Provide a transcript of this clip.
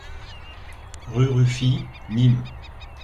Rue Ruffi, Nîmes